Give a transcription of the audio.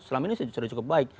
selama ini sudah cukup baik